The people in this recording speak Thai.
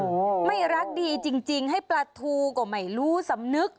โอ้โหไม่รักดีจริงจริงให้ปลาทูก็ไม่รู้สำนึก